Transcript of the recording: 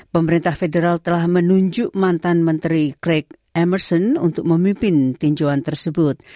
pemerintah federal telah menunjuk mantan menteri crake emerson untuk memimpin tinjauan tersebut